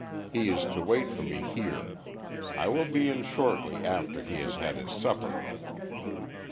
He is to wait for me here. I will be in shortly after he has had his supper."